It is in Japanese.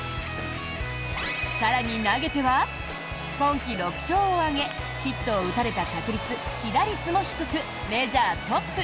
更に、投げては今季６勝を挙げヒットを打たれた確率被打率も低く、メジャートップ！